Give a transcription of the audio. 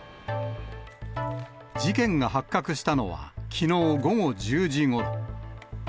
事件が発覚したのはきのう午後１０時ごろ。